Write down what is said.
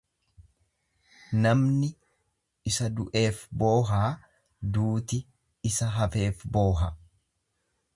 Namni isa du'eef boohaa duuti isa hafeef booha.